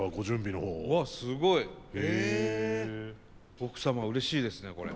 奥様うれしいですねこれ。